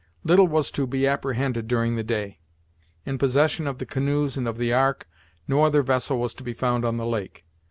Little was to be apprehended during the day. In possession of the canoes and of the ark, no other vessel was to be found on the lake.